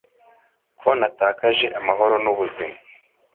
ko natakaje amahoro n'ubuzima